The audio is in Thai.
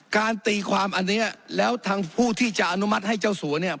ตีความอันเนี้ยแล้วทางผู้ที่จะอนุมัติให้เจ้าสัวเนี่ย